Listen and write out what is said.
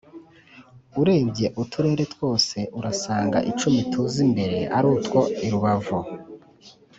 Urebye uturere twose urasanga icumi tuza imbere arutwo i Rubavu